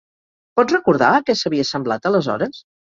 Pots recordar a què s'havia semblat aleshores?